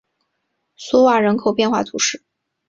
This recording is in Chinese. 索瓦人口变化图示